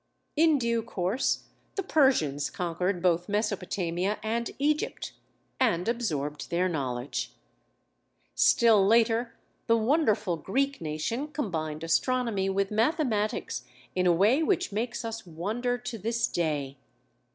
In due course the Persians conquered both Mesopotamia and Egypt and absorbed their knowledge. Still later the wonderful Greek nation combined astronomy with mathematics in a way which makes us wonder to this day.